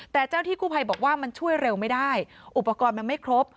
แต่เจ้าที่กู้ภัยบอกว่ามันช่วยเร็วไม่ได้อุปกรณ์มันไม่ครบ